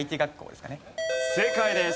正解です。